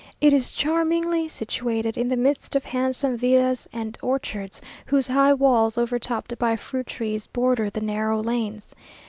It is charmingly situated, in the midst of handsome villas and orchards, whose high walls, overtopped by fruit trees, border the narrow lanes.